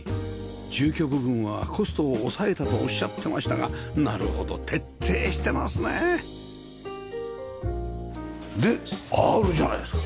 住居部分はコストを抑えたとおっしゃってましたがなるほど徹底してますね！でアールじゃないですか。